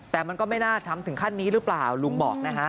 แต่มันก็ไม่น่าทำถึงขั้นนี้หรือเปล่าลุงบอกนะฮะ